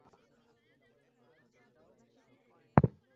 আমরা মতামত ও শাস্ত্রাদি শিখিয়াছি বটে, কিন্তু জীবনে কিছুই উপলব্ধি করি নাই।